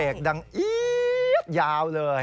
เสียงเบรกดังยาวเลย